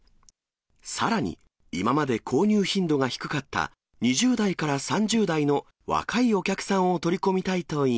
さらに、今まで購入頻度が低かった２０代から３０代の若いお客さんを取り